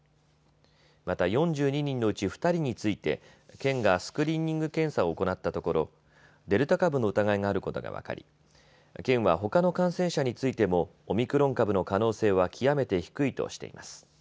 また４２人のうち２人について県がスクリーニング検査を行ったところデルタ株の疑いがあることが分かり県はほかの感染者についてもオミクロン株の可能性は極めて低いとしています。